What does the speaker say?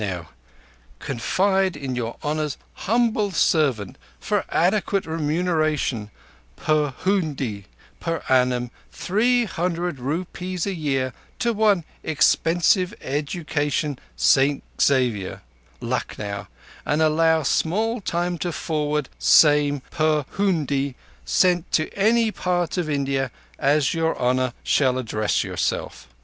—'_confide in your Honour's humble servant for adequate remuneration per hoondi per annum three hundred rupees a year to one expensive education St Xavier, Lucknow, and allow small time to forward same per hoondi sent to any part of India as your Honour shall address yourself.